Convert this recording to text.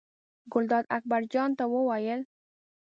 ګلداد اکبر جان ته وویل.